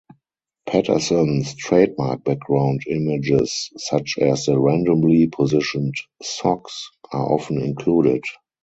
Paterson's trademark background images, such as the randomly positioned socks, are often included.